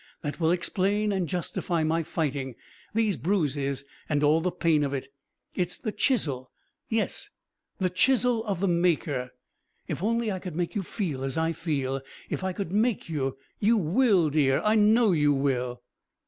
That will explain and justify my fighting these bruises, and all the pain of it. It's the chisel yes, the chisel of the Maker. If only I could make you feel as I feel, if I could make you! You will, dear, I know you will."